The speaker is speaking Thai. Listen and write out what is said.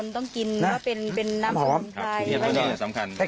ต้องกินว่าเป็นน้ำสมุนไทย